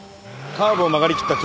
カーブを曲がりきった